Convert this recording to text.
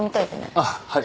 あっはい。